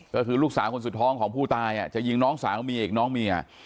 ก็คือลูกสาวคนสุดท้องของผู้ตายจะยิงน้องสาวเมียอีกน้องเมีย